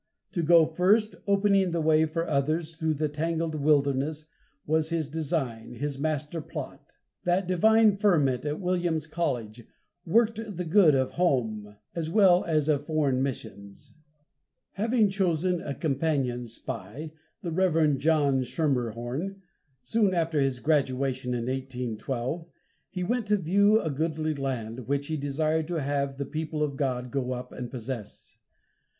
To go first, opening the way for others through the tangled wilderness, was his design, his master plot. That "divine ferment" at Williams College worked the good of home, as well as of foreign, missions. Having chosen a companion spy, the Rev. John Schermerhorn, soon after his graduation in 1812, he went to view a goodly land, which he desired to have the people of God go up and possess.